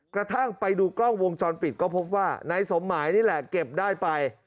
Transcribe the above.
กระทั่งไปดูกล้องวงจรปิดก็พบว่านายสมหมายนี่แหละเก็บได้ไป